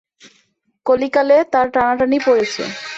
কলিকালে তার টানাটানি পড়েছে।